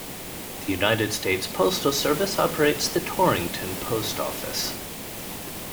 The United States Postal Service operates the Torrington Post Office.